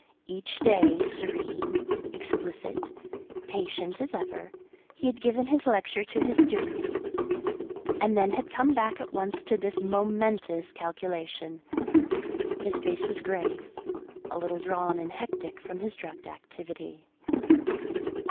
Each day, serene, explicit, patient as ever, he had given his lecture to his students, and then had come back at once to this momentous calculation. His face was grave, a little drawn and hectic from his drugged activity.